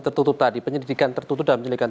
tertutup tadi penyelidikan tertutup dalam penyelidikan